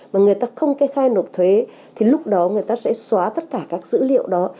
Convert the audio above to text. và người ta không kê khai nộp thuế thì lúc đó người ta sẽ xóa tất cả các dữ liệu đó